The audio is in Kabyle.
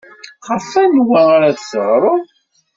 Ɣef wanwa ara tdeɣreḍ?